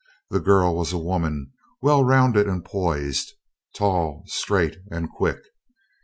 The girl was a woman, well rounded and poised, tall, straight, and quick.